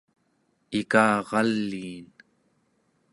ikaraliin